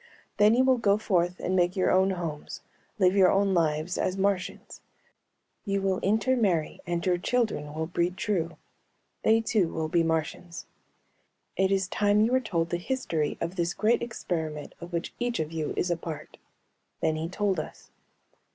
"Then you will go forth and make your own homes, live your own lives, as Martians. You will intermarry and your children will breed true. They too will be Martians. "It is time you were told the history of this great experiment of which each of you is a part." Then he told us.